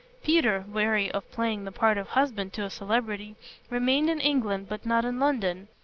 Peter, weary of playing the part of husband to a celebrity, remained in England but not in London.